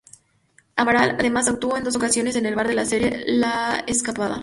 Amaral, además, actuó en dos ocasiones en el bar de la serie, La escapada.